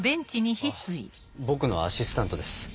あぁ僕のアシスタントです